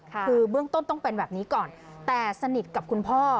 คือเบื้องต้นต้องเป็นแบบนี้ก่อนแต่สนิทกับคุณพ่อ